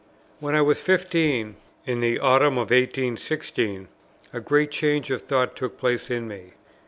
When I was fifteen, (in the autumn of 1816,) a great change of thought took place in me.